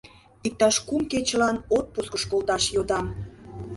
Иктаж кум кечылан отпускыш колташ йодам.